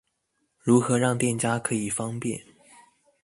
如何讓店家可以方便